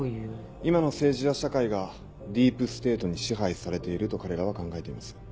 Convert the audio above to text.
今の政治や社会がディープステートに支配されていると彼らは考えています。